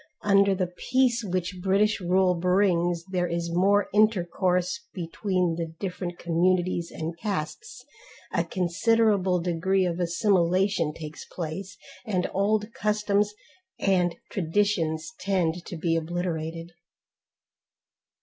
Under the peace which British rule brings there is more intercourse between the different communities and castes, a considerable, degree of assimilation takes place, and old customs and traditions tend to be obliterated.